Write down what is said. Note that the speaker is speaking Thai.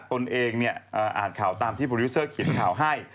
ตนเองอ่านข่าวตามที่โปรดิวเซอร์เขียนข่าวให้